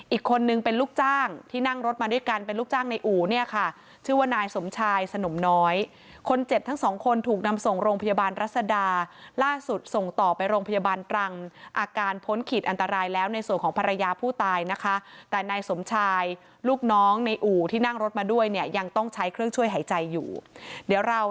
อีกคนนึงเป็นลูกจ้างที่นั่งรถมาด้วยกันเป็นลูกจ้างในอู่เนี่ยค่ะชื่อว่านายสมชายสนมน้อยคนเจ็บทั้งสองคนถูกนำส่งโรงพยาบาลรัศดาล่าสุดส่งต่อไปโรงพยาบาลตรังอาการพ้นขีดอันตรายแล้วในส่วนของภรรยาผู้ตายนะคะแต่นายสมชายลูกน้องในอู่ที่นั่งรถมาด้วยเนี่ยยังต้องใช้เครื่องช่วยหายใจอยู่เดี๋ยวเรา